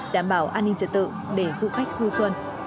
đảm bảo an ninh trật tự để du khách du xuân